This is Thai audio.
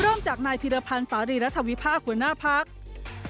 เริ่มจากนายพิรพันธ์สารีรัฐวิพากษ์หัวหน้าพัก